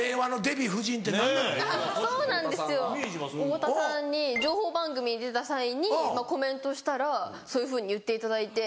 太田さんに情報番組出た際にコメントしたらそういうふうに言っていただいて。